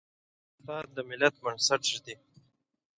استاد د ملت بنسټ ږدي.